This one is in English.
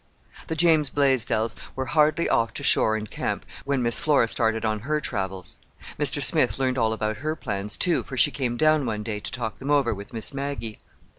The James Blaisdells were hardly off to shore and camp when Miss Flora started on her travels. Mr. Smith learned all about her plans, too, for she came down one day to talk them over with Miss Maggie.